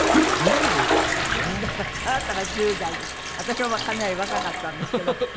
あなたが１０代で私もかなり若かったんですけど。